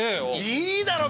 いいだろ！